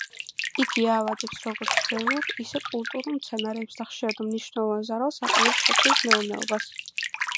იგი აავადებს როგორც ველურ, ისე კულტურულ მცენარეებს და ხშირად მნიშვნელოვან ზარალს აყენებს სოფლის მეურნეობას.